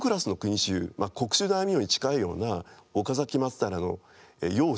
国主大名に近いような岡崎松平の幼主。